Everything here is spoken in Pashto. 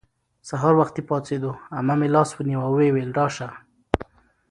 سهار وختي پاڅېدو. عمه مې لاس ونیو او ویې ویل:راشه